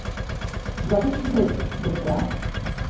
যথেষ্ট হয়েছে, দোস্তরা!